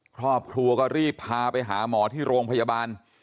ครอบครัวก็รีบพาไปหาหมอที่โรงพยาบาล